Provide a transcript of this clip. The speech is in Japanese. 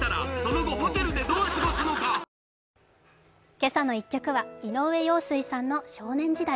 「けさの１曲」は井上陽水さんの「少年時代」。